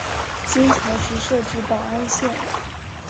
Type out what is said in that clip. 金朝时设置保安县。